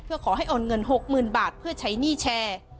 เพื่อขอให้โอนเงิน๖๐๐๐บาทเพื่อใช้หนี้แชร์